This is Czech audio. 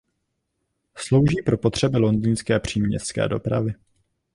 Slouží pro potřeby londýnské příměstské dopravy.